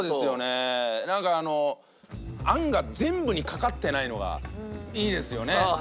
なんかあのあんが全部にかかってないのがいいですよね。